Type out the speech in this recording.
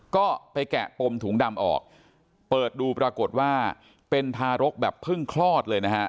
ก็ไปแกะปมถุงดำออกเปิดดูปรากฏว่าเป็นทารกแบบเพิ่งคลอดเลยนะฮะ